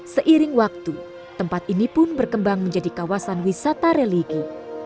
seiring waktu tempat ini pun berkembang menjadi kawasan wisata religi